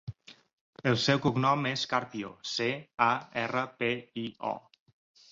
El seu cognom és Carpio: ce, a, erra, pe, i, o.